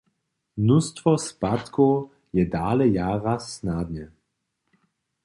Mnóstwo spadkow je dale jara snadne.